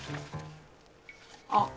あっ。